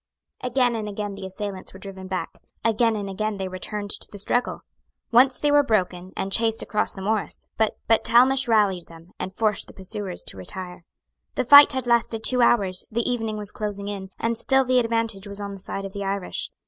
Again and again the assailants were driven back. Again and again they returned to the struggle. Once they were broken, and chased across the morass; but Talmash rallied them, and forced the pursuers to retire. The fight had lasted two hours; the evening was closing in; and still the advantage was on the side of the Irish.